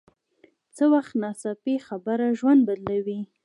څه وخت ناڅاپي خبره ژوند بدلوي